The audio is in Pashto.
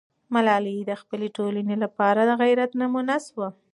ملالۍ د خپلې ټولنې لپاره د غیرت نمونه سوه.